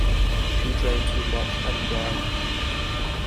She drained too much and he died.